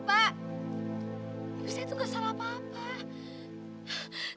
ibu saya itu nggak salah apa apa